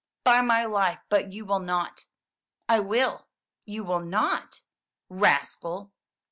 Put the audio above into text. "By my life, but you will not!" "I will!" "You will not!" "Rascal!"